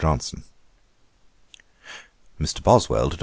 JOHNSON.' 'MR. BOSWELL TO DR.